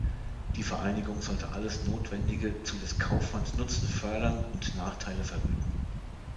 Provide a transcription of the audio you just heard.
Die Vereinigung sollte „alles Notwendige zu des Kaufmanns Nutzen fördern und Nachteile verhüten“.